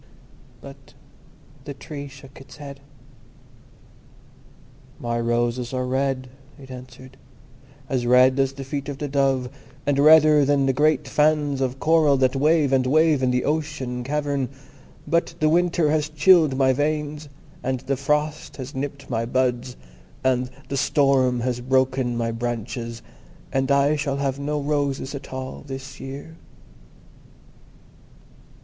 But the Tree shook its head. "My roses are red," it answered, "as red as the feet of the dove, and redder than the great fans of coral that wave and wave in the ocean cavern. But the winter has chilled my veins, and the frost has nipped my buds, and the storm has broken my branches, and I shall have no roses at all this year."